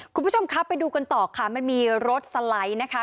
คุณผู้ชมครับไปดูกันต่อค่ะมันมีรถสไลด์นะคะ